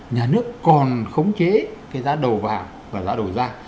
nhà nước còn khống chế cái giá đầu vào và giá đầu ra